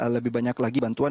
lebih banyak lagi bantuan